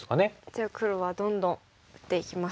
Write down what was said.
じゃあ黒はどんどん打っていきます。